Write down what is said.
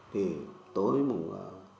thì tối mùng